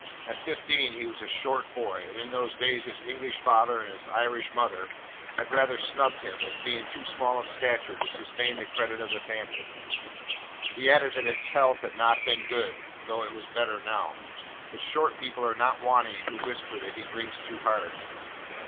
At fifteen he was a short boy, and in those days his English father and his Irish mother had rather snubbed him, as being too small of stature to sustain the credit of the family. He added that his health had not been good, though it was better now; but short people are not wanting who whisper that he drinks too hard.